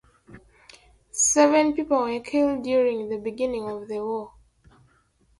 Seven people were killed during the beginning of the war.